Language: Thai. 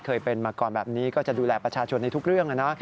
เคยเป็นมาก่อนแบบนี้ก็จะดูแลประชาชนในทุกเรื่องนะ